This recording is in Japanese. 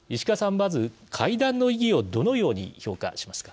まず会談の意義をどのように評価しますか。